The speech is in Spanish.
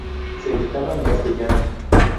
Se editaba en castellano.